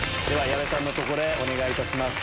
矢部さんのところへお願いいたします。